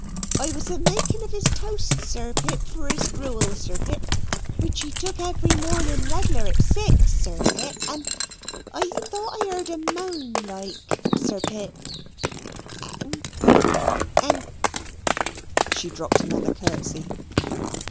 I was a making of his toast, Sir Pitt, for his gruel, Sir Pitt, which he took every morning regular at six, Sir Pitt, and I thought I heard a moan like, Sir Pitt and and and " She dropped another curtsey.